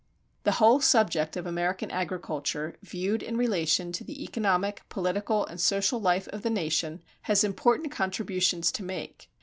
The whole subject of American agriculture viewed in relation to the economic, political, and social life of the nation has important contributions to make.